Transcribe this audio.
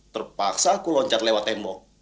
terpaksa aku loncat lewat tembok